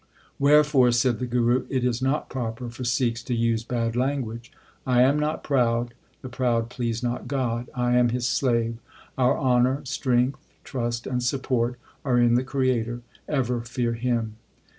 Wherefore/ said the Guru, it is not proper for Sikhs to use bad language. I am not proud ; the proud please not God. I am His slave. Our honour, strength, trust, and support are in the Creator. Ever fear Him.